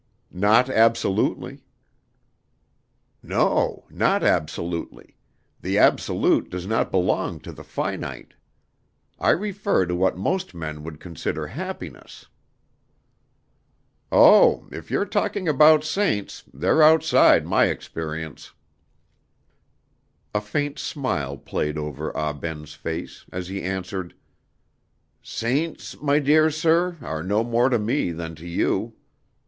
"Not absolutely." "No, not absolutely; the absolute does not belong to the finite. I refer to what most men would consider happiness." "Oh, if you're talking about saints, they're outside my experience." A faint smile played over Ah Ben's face as he answered: "Saints, my dear sir, are no more to me than to you.